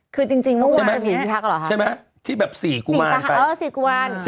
คือจริงเมื่อวานเนี่ยใช่ไหมใช่ไหมที่แบบ๔กุมารไปเออ๔กุมาร